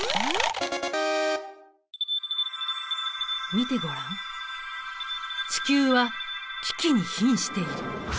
見てごらん地球は危機にひんしている。